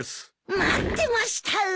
待ってました！